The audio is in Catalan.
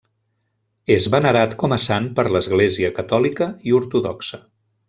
És venerat com a sant per l'església catòlica i ortodoxa.